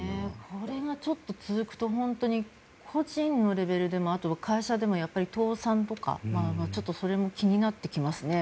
これがちょっと続くと本当に個人のレベルでもあと会社でも倒産とかそれも気になってきますね。